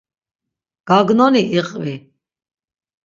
Gagnoni iqvi.